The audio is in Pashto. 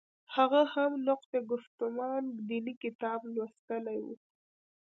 هغه هم نقد ګفتمان دیني کتاب لوستلی و.